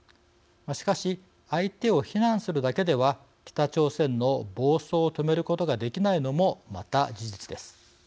しかし相手を非難するだけでは北朝鮮の暴走を止めることができないのもまた事実です。